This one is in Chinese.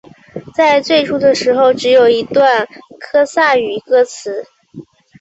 在最初的时候只有一段科萨语歌词。